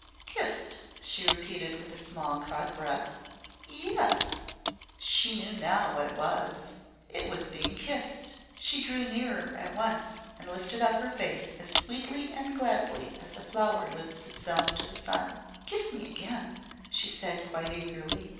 "Kissed," she repeated, with a small caught breath. "Ye es." She knew now what it was. It was being kissed. She drew nearer at once and lifted up her face as sweetly and gladly as a flower lifts itself to the sun. "Kiss me again," she said, quite eagerly.